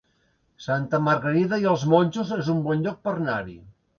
Santa Margarida i els Monjos es un bon lloc per anar-hi